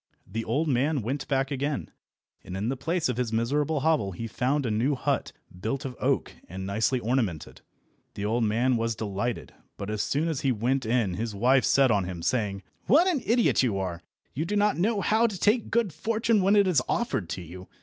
The old man went back again, and in the place of his miserable hovel he found a new hut built of oak and nicely ornamented. The old man was delighted, but as soon as he went in his wife set on him, saying— "What an idiot you are! You do not know how to take good fortune when it is offered to you.